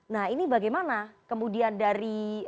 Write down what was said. nah ini bagaimana kemudian dari